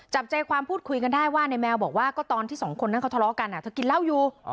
จับใจความพูดคุยกันได้ว่าในแมวบอกว่าก็ตอนที่สองคนนั้นเขาทะเลาะกันเธอกินเหล้าอยู่